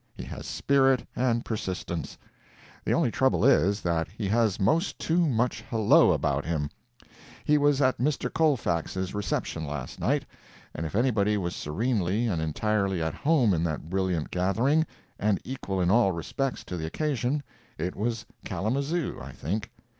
He has spirit and persistence. The only trouble is, that he has most too much hello about him. He was at Mr. Colfax's reception last night, and if anybody was serenely and entirely at home in that brilliant gathering, and equal in all respects to the occasion, it was Kalamazoo, I think.